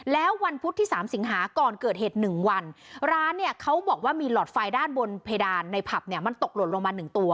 แล้ววันพุธที่สามสิงหาก่อนเกิดเหตุหนึ่งวันร้านเนี่ยเขาบอกว่ามีหลอดไฟด้านบนเพดานในผับเนี่ยมันตกหล่นลงมาหนึ่งตัว